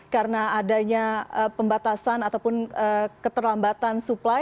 karena adanya pembatasan ataupun keterlambatan suplai